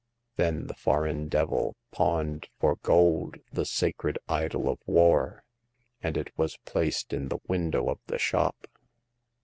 Then the foreign devil pawned for gold the sacred idol of war, and it was placed in the window of the shop.